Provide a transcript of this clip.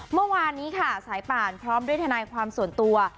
เมื่อวานนี้ค่ะสายป่านพร้อมด้วยทนายความส่วนตัว